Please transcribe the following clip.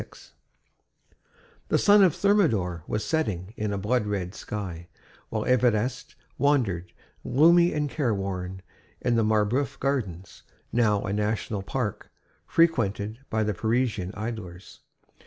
XXVI The sun of Thermidor was setting in a blood red sky, while Évariste wandered, gloomy and careworn, in the Marbeuf gardens, now a National park frequented by the Parisian idlers.